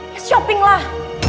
ya shopping lah